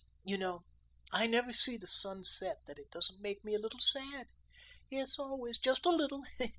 You know, I never see the sun set that it don't make me a little sad; yes, always, just a little.